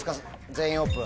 「全員オープン」。